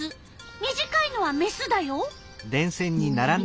短いのはメスだよ。